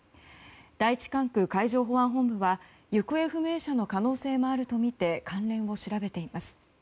第１管区海上保安本部は行方不明者の可能性もあるとみて関連を調べています。